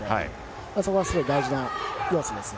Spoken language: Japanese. そこがすごい大事な要素ですね。